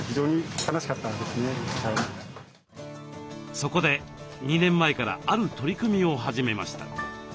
そこで２年前からある取り組みを始めました。